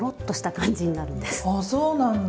ああそうなんだ。